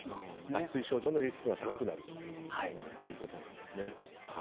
脱水症状のリスクが高くなるということなんですね。